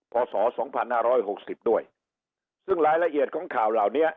พศสองพันห้าร้อยหกสิบด้วยซึ่งรายละเอียดของข่าวเหล่านี้